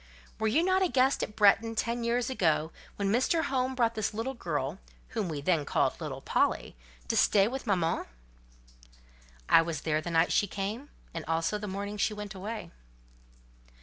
Were you not a guest at Bretton ten years ago, when Mr. Home brought his little girl, whom we then called 'little Polly,' to stay with mamma?" "I was there the night she came, and also the morning she went away."